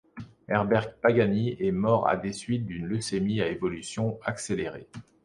Herbert Pagani est mort à des suites d’une leucémie à évolution accélérée.